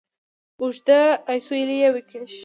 اوږد اسویلی یې وکېښ.